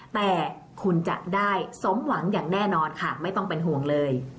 แต่คุณจะได้สมหวังอย่างแน่นอนค่ะไม่ต้องเป็นห่วงเลย